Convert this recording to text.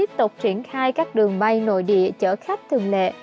tiếp tục triển khai các đường bay nội địa chở khách thường lệ